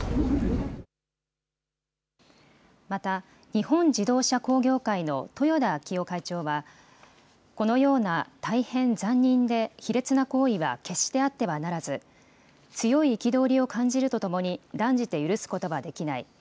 日本自動車工業会の豊田章男会長は、このような大変残忍で卑劣な行為は決してあってはならず、強い憤りを感じるとともに、断じて許すことはできない。